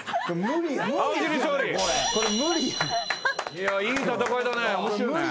いやいい戦いだね。